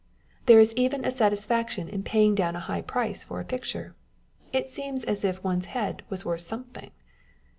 There is even a satisfaction in paying down a high, price for a picture â€" it seems as if one's head was worth something